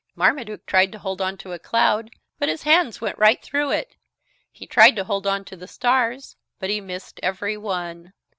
Marmaduke tried to hold on to a cloud, but his hands went right through it. He tried to hold on to the stars, but he missed every one.